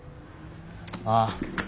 ああ。